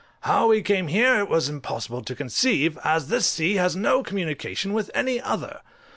How we came here it was impossible to conceive, as this sea has no communication with any other.